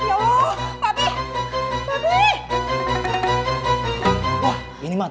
ini mah ma failures